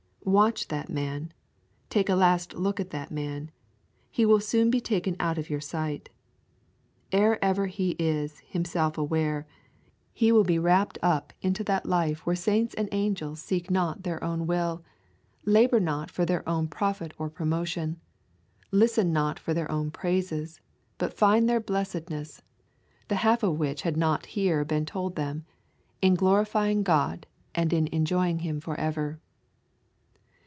Watch that man. Take a last look at that man. He will soon be taken out of your sight. Ere ever he is himself aware, he will be rapt up into that life where saints and angels seek not their own will, labour not for their own profit or promotion, listen not for their own praises, but find their blessedness, the half of which had not here been told them, in glorifying God and in enjoying Him for ever.